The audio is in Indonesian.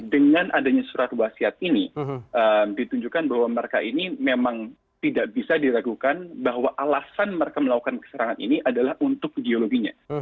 dengan adanya surat wasiat ini ditunjukkan bahwa mereka ini memang tidak bisa diragukan bahwa alasan mereka melakukan keserangan ini adalah untuk ideologinya